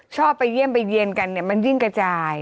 ชอบไปเยี่ยมไปเยี่ยนกันเนี่ยมันยิ่งกระจาย